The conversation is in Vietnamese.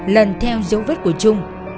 lần theo dấu vết của trung